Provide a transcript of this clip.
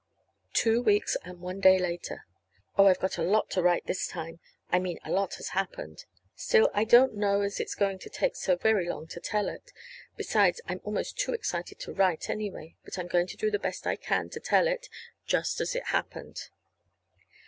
Two weeks and one day later. Oh, I've got a lot to write this time I mean, a lot has happened. Still, I don't know as it's going to take so very long to tell it. Besides, I'm almost too excited to write, anyway. But I'm going to do the best I can to tell it, just as it happened.